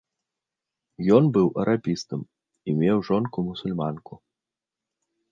Ён быў арабістам і меў жонку-мусульманку.